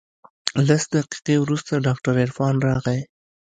لس دقيقې وروسته ډاکتر عرفان راغى.